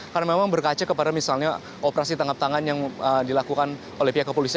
karena memang berkaca kepada misalnya operasi tanggap tangan yang dilakukan oleh pihak kepolisian